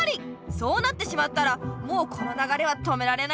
そうなってしまったらもうこのながれは止められないよ。